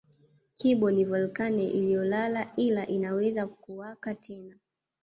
Kibo ni volkeno iliyolala ila inaweza kuwaka tena